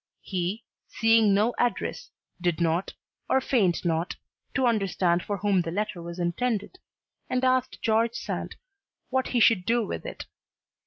He, seeing no address, did not, or feigned not, to understand for whom the letter was intended, and asked George Sand what he should do with it.